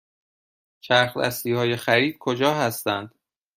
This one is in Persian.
چرخ دستی های خرید کجا هستند؟